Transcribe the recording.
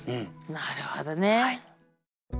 なるほどね。